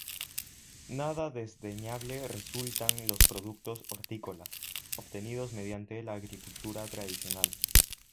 Nada desdeñable resultan los productos hortícolas, obtenidos mediante la agricultura tradicional.